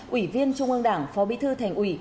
ủy viên trung ương đảng phó bí thư thành ủy